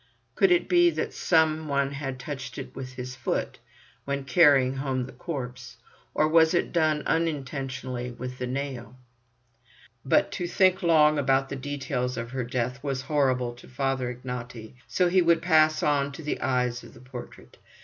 Could it be that some one had touched it with his foot when carrying home the corpse; or was it done unintentionally with the nail? But to think long about the details of her death was horrible to Father Ignaty, so he would pass on to the eyes of the portrait.